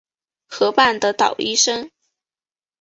河畔的捣衣声